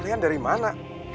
selain dari mana